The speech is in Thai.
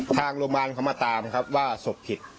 ทางโรงพยาบาลเขามาตามครับว่าศพผิด